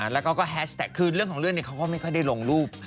แล้วก็แฮชแท็กคือเรื่องของเรื่องเขาก็ไม่ค่อยได้ลงรูป